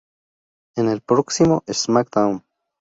En el próximo SmackDown!